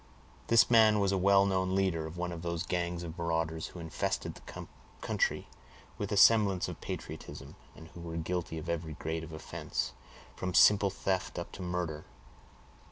This man was a well known leader of one of those gangs of marauders who infested the county with a semblance of patriotism, and who were guilty of every grade of offense, from simple theft up to murder.